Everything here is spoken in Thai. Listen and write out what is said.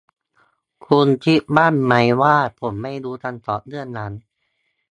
คุณคิดบ้างไหมว่าผมไม่รู้คำตอบเรื่องนั้น